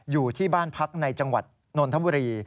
อยู่ที่บ้านพักในจังหวัดนนทบุรี